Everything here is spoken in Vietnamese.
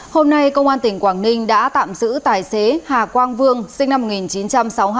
hôm nay công an tỉnh quảng ninh đã tạm giữ tài xế hà quang vương sinh năm một nghìn chín trăm sáu mươi hai